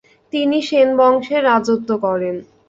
তিনি সেন বংশের রাজত্ব করেন।